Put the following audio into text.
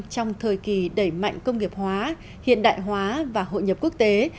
trong thời kỳ đẩy mạnh công nghiệp hóa hiện đại hóa và hội nhập quốc tế